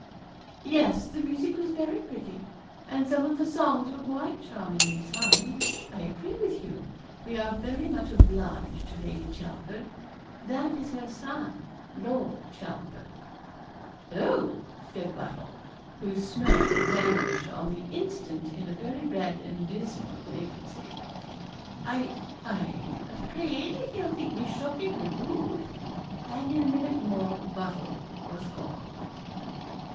'Yes, the music was very pretty, and some of the songs were quite charmingly sung. I agree with you we are very much obliged to Lady Chelford that is her son, Lord Chelford.' 'Oh!' said Buttle, whose smirk vanished on the instant in a very red and dismal vacancy, 'I I'm afraid he'll think me shockingly rude.' And in a minute more Buttle was gone.